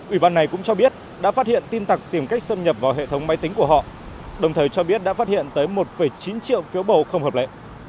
ủy ban này cũng cho biết đã phát hiện tin tặc tìm cách xâm nhập vào hệ thống máy tính của họ đồng thời cho biết đã phát hiện tới một chín triệu phiếu bầu không hợp lệ